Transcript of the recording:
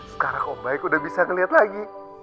sekarang kok baik udah bisa ngeliat lagi